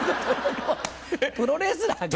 プロレスラーか！